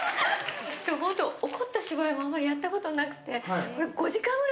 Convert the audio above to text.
怒った芝居もあんまりやったことなくて。